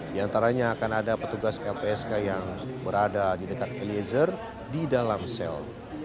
di antaranya akan ada petugas lpsk yang berada di dekat eliezer di dalam sel